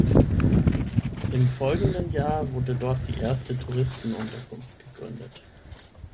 Im folgenden Jahr wurde dort die erste Touristenunterkunft gegründet.